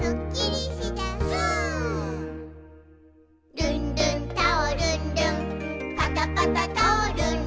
「ルンルンタオルン・ルンパタパタタオルン・ルン」